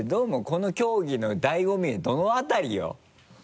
この競技のだいご味はどのあたりよ？